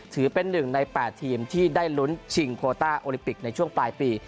ถือเป็น๑ใน๘ทีมที่ได้ลุ้นชิงโคต้าโอลิปิกในช่วงปลายปี